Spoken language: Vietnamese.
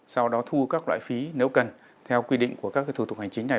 sau đó thu các loại phí nếu cần theo quy định của các thủ tục hành chính này